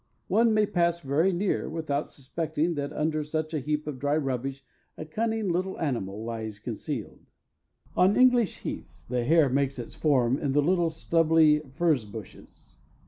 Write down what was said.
One may pass very near without suspecting that under such a heap of dry rubbish a cunning little animal lies concealed. On English heaths the hare makes its "form" in the little stubbly furze bushes.